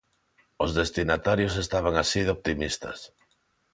Os destinatarios estaban así de optimistas.